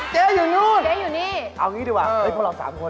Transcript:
เจ๊อยู่นู้นเจ๊อยู่นี่เอาอย่างนี้ดีกว่าพวกเรา๓คน